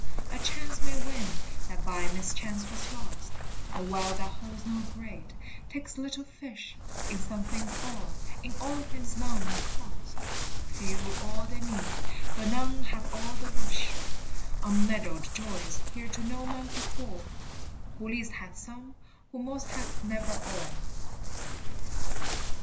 A chance may win that by mischance was lost; The well that holds no great, takes little fish; In some things all, in all things none are crossed, Few all they need, but none have all they wish; Unmeddled joys here to no man befall, Who least hath some, who most hath never all.